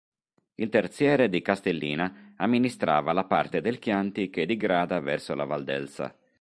Il "Terziere di Castellina" amministrava la parte del Chianti che digrada verso la Valdelsa.